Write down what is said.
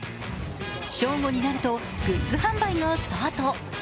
正午になると、グッズ販売がスタート。